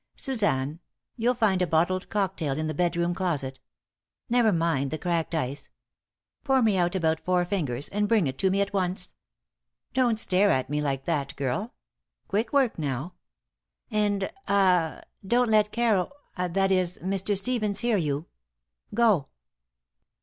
"Suzanne, you'll find a bottled cocktail in the bedroom closet. Never mind the cracked ice. Pour me out about four fingers and bring it to me at once. Don't stare at me like that, girl! Quick work, now. And ah don't let Caro that is, Mr. Stevens hear you. Go!"